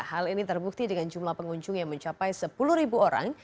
hal ini terbukti dengan jumlah pengunjung yang mencapai sepuluh orang